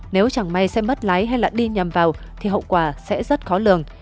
nếu chẳng may sẽ mất lái hay đi nhằm vào thì hậu quả sẽ rất khó lường